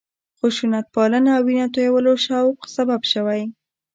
خشونتپالنه او وینه تویولو شوق سبب شوی.